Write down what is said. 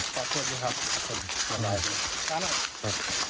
ปราธอบดีครับ